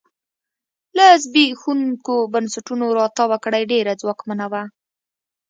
له زبېښونکو بنسټونو راتاوه کړۍ ډېره ځواکمنه وه.